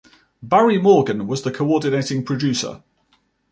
Barry Morgan was the co-ordinating producer.